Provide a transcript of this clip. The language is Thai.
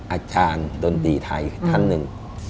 อาจารย์ดนตรีไทยท่านหนึ่ง